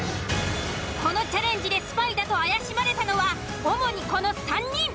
このチャレンジでスパイだと怪しまれたのは主にこの３人。